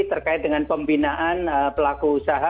terkait dengan pembinaan pelaku usaha